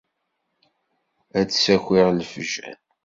Ad d-ssakiɣ lefjer.